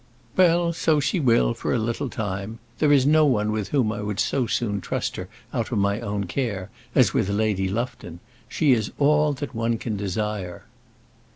"Well; so she will, for a little time. There is no one with whom I would so soon trust her out of my own care as with Lady Lufton. She is all that one can desire."